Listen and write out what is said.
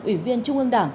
ủy viên trung ương đảng